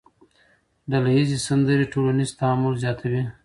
ډلهییزې سندرې ټولنیز تعامل زیاتوي.